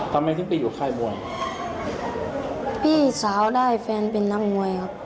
ทำไมถึงไปอยู่ค่ายมวยพี่สาวได้แฟนเป็นนักมวยครับ